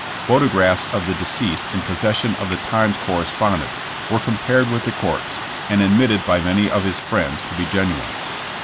Photographs of the deceased in pos session of the Times correspondent were compared with the corpse, and admitted by many of his friends to be genuine.